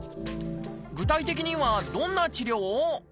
具体的にはどんな治療？